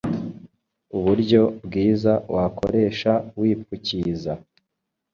Uburyo bwiza wakoresha wipfukiza